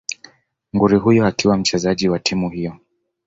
nguri huyo akiwa mchezaji wa timu hiyo